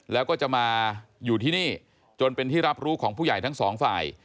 แล้วก็จะมาอยู่ที่นี่จนเป็นที่รับรู้ของผู้ใหญ่ทั้งสองฝ่าย